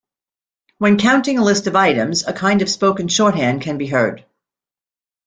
When counting a list of items a kind of spoken shorthand can be heard.